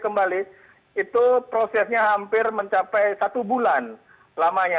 kembali itu prosesnya hampir mencapai satu bulan lamanya